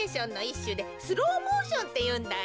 しゅでスローモーションっていうんだよ。